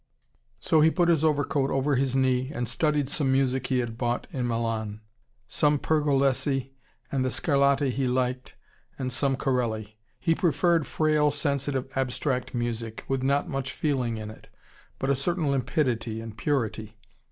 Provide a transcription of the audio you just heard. So he put his overcoat over his knee, and studied some music he had bought in Milan: some Pergolesi and the Scarlatti he liked, and some Corelli. He preferred frail, sensitive, abstract music, with not much feeling in it, but a certain limpidity and purity.